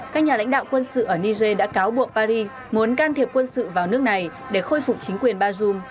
các nhà lãnh đạo quân sự ở niger đã cáo buộc paris muốn can thiệp quân sự vào nước này để khôi phục chính quyền bazoum